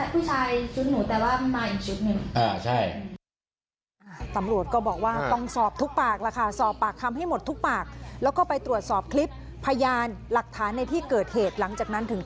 ผู้ชายชุดหนูแต่ว่ามาอีกชุดหนึ่ง